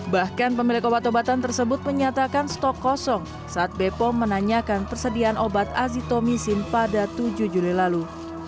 bahkan pemilik obat obatan tersebut menyatakan stok kosong saat bepom menanyakan persediaan obat azitomisin pada tujuh juli lalu